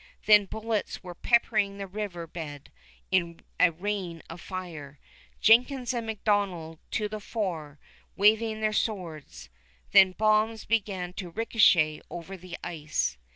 Then bullets were peppering the river bed in a rain of fire, Jenkins and M'Donnell to the fore, waving their swords. Then bombs began to ricochet over the ice.